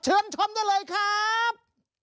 เชิญชอบได้เลยครับ